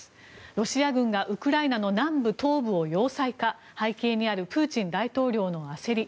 ロシア軍がウクライナの南部・東部を要塞化背景にあるプーチン大統領の焦り。